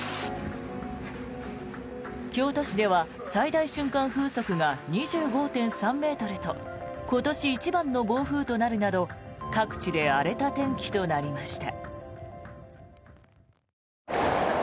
京都市では最大瞬間風速が２５．３ｍと今年一番の暴風となるなど各地で荒れた天気となりました。